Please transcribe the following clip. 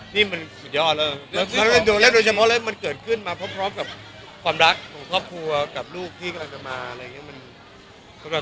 นี่มันสุดยอดแล้วโดยเฉพาะแล้วมันเกิดขึ้นมาพร้อมกับความรักของครอบครัวกับลูกที่กำลังจะมาอะไรอย่างนี้